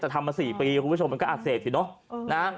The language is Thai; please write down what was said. นานมา๔ปีคุณผู้ชมมันก็อากเสบอยู่เนอะ